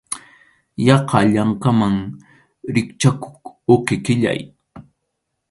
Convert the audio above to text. Yaqa llankaman rikchʼakuq uqi qʼillay.